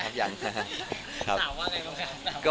สาวว่าไงบ้างครับ